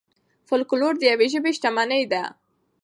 فولکلور د یوې ژبې شتمني ده.